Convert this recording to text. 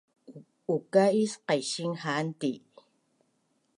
Uka’is qainsing haanti’